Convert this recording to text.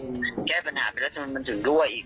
กลับแก้ปัญหาไปแล้วมันจะถึงด้วยอีก